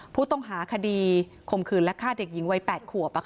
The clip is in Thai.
ผู้ต้องหาคดีข่มขืนและฆ่าเด็กหญิงวัย๘ขวบ